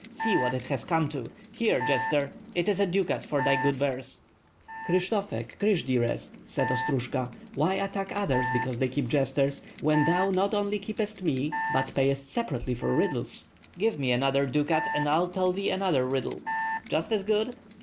See what it has come to! Here, jester, is a ducat for thy good verse." "Kryshtofek! Krysh dearest!" said Ostrojka, "why attack others because they keep jesters, when thou not only keepest me, but payest separately for riddles? Give me another ducat and I'll tell thee another riddle." "Just as good?"